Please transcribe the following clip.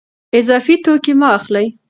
اضافي توکي مه اخلئ.